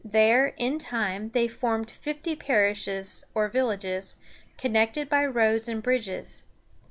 There, in time, they formed fifty parishes, or villages, connected by roads and bridges.